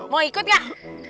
mau ikut gak